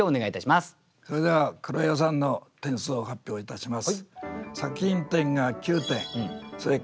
それでは黒岩さんの点数を発表いたします。